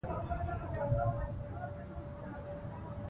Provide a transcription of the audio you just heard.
وروسته یې نورې شعري ټولګې هم چاپ شوې.